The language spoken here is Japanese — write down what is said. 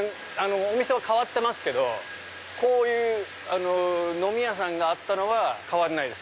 お店は変わってますけどこういう飲み屋さんがあったのは変わんないです。